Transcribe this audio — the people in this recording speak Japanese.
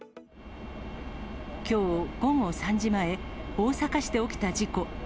きょう午後３時前、大阪市で起きた事故。